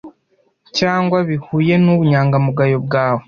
cyangwa bihuye nubu nyangamugayo bwawe